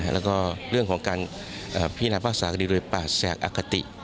แล้วก็เรื่องของการพิพากษาคดีโดยป่าแสกอคติ